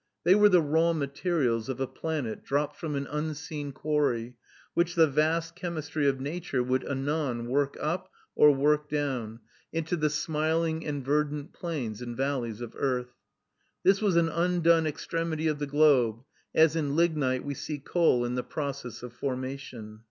They were the raw materials of a planet dropped from an unseen quarry, which the vast chemistry of nature would anon work up, or work down, into the smiling and verdant plains and valleys of earth. This was an undone extremity of the globe; as in lignite we see coal in the process of formation.